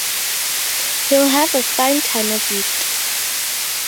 He’ll have a fine time of it.